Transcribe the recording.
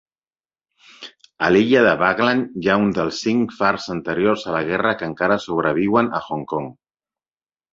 A l'illa de Waglan hi ha un dels cinc fars anteriors a la guerra que encara sobreviuen a Hong Kong.